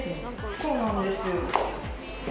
そうなんです。